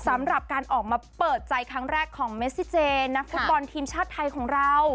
สำหรับการออกมาเปิดใจครั้งแรกของเมซิเจนนักฟุตบอลทีมชาติไทยของเรา